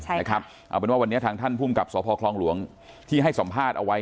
ใช่ค่ะนะครับเอาเป็นว่าวันนี้ทางท่านภูมิกับสพครองหลวงที่ให้สอบภาษณ์เอาไว้